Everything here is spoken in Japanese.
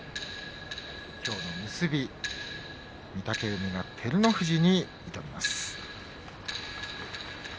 きょうの結び御嶽海が照ノ富士に挑みます。